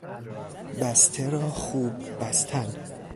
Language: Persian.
بسته را خوب بستن